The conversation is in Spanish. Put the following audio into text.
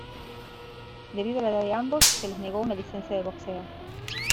Debido a la edad de ambos, se les negó una licencia de boxeo.